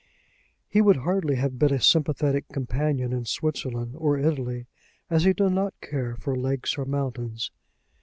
He would hardly have been a sympathetic companion in Switzerland or Italy, as he did not care for lakes or mountains.